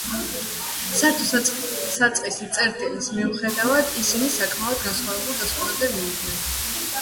სართო საწყისი წერტილის მიუხედავად, ისინი საკმაოდ განსხვავებულ დასკვნებამდე მივიდნენ.